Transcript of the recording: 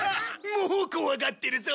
もう怖がってるぞ。